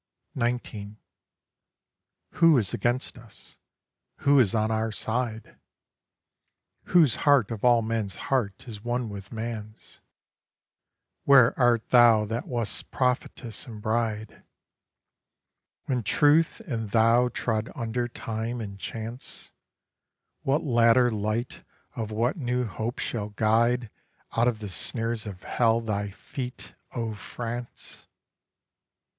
19 Who is against us? who is on our side? Whose heart of all men's hearts is one with man's? Where art thou that wast prophetess and bride, When truth and thou trod under time and chance? What latter light of what new hope shall guide Out of the snares of hell thy feet, O France?